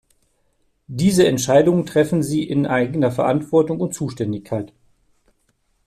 Diese Entscheidungen treffen sie in eigener Verantwortung und Zuständigkeit.